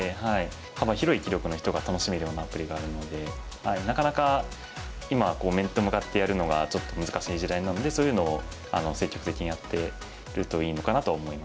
幅広い棋力の人が楽しめるようなアプリがあるのでなかなか今こう面と向かってやるのがちょっと難しい時代なのでそういうのを積極的にやってるといいのかなと思いますね。